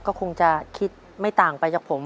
ก็คงจะคิดไม่ต่างไปจากผม